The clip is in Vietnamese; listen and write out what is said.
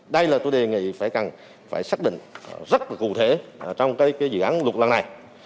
đây là tôi đề nghị phải xác định rất cụ thể trong dự án luật lần này